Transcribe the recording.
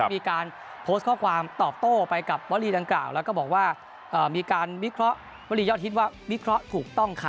มีการโพสต์ข้อความตอบโต้ไปกับวลีดังกล่าวแล้วก็บอกว่ามีการวิเคราะห์วรียอดฮิตว่าวิเคราะห์ถูกต้องค่ะ